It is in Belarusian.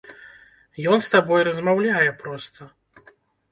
Ён з табой размаўляе проста.